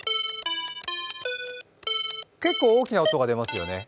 結構、大きな音が出ますよね。